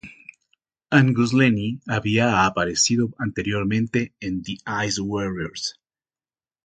Angus Lennie había aparecido anteriormente en "The Ice Warriors".